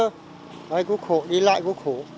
đến đây cũng khổ đi lại cũng khổ